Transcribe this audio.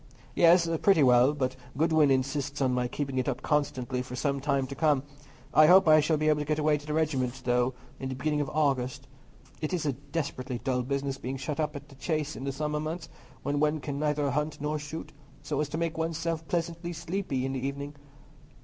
"Yes, pretty well; but Godwin insists on my keeping it up constantly for some time to come. I hope I shall be able to get away to the regiment, though, in the beginning of August. It's a desperately dull business being shut up at the Chase in the summer months, when one can neither hunt nor shoot, so as to make one's self pleasantly sleepy in the evening.